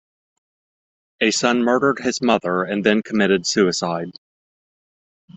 A son murdered his mother and then committed suicide.